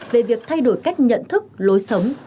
về việc thay đổi cách nhận thức lối sống